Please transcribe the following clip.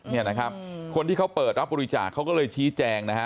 เนี่ยนะครับคนที่เขาเปิดรับบริจาคเขาก็เลยชี้แจงนะฮะ